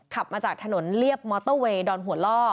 ขับมาจากถนนเรียบมอเตอร์เวย์ดอนหัวล่อ